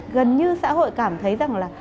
gần như xã hội cảm thấy rằng là